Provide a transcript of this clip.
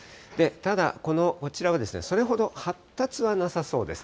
ただ、こちらはそれほど発達はなさそうです。